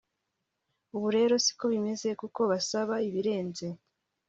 ubu rero si ko bimeze kuko basaba ibirenze